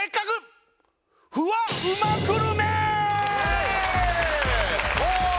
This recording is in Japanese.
フワうまグルメ